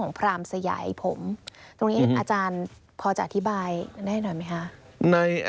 คุณพรรมพอจะอธิบายได้ไหมคะ